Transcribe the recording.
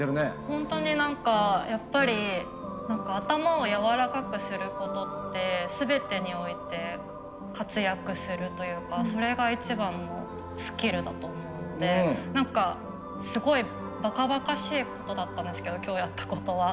ホントに何かやっぱり頭をやわらかくすることって全てにおいて活躍するというかそれが一番のスキルだと思うので何かすごいばかばかしいことだったんですけど今日やったことは。